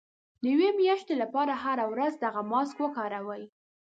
د يوې مياشتې لپاره هره ورځ دغه ماسک وکاروئ.